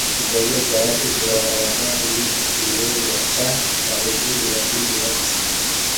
Kipengee cha wajibu wa mwanadamu ndicho kilengwa cha maudhui ya dini ya Kiislamu